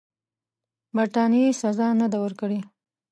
برټانیې سزا نه ده ورکړې.